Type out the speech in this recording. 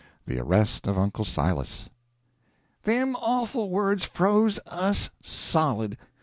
THE ARREST OF UNCLE SILAS Them awful words froze us solid.